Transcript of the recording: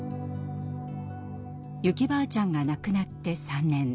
ユキばあちゃんが亡くなって３年。